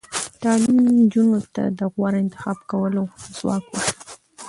تعلیم نجونو ته د غوره انتخاب کولو ځواک ورکوي.